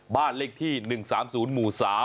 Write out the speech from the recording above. บ้านเลขที่๑๓๐หมู่๓